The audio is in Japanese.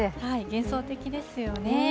幻想的ですよね。